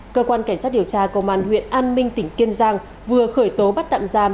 cơ quan cảnh sát điều tra công an huyện an minh tỉnh kiên giang vừa khởi tố bắt tạm giam